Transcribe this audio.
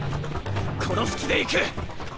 殺す気でいく！